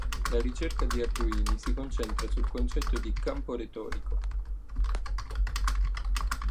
La ricerca di Arduini si concentra sul concetto di "campo retorico".